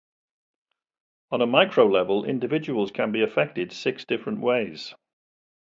On a micro-level, individuals can be affected six different ways.